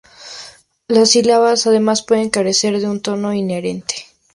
La sílabas además pueden carecer de un tono inherente.